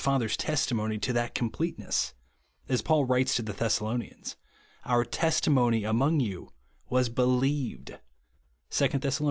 101 Father's testimony to that comj^leteness ; as Pciiil writes to the Thessalonians, " our testimony among you was believed^' (2 Thess.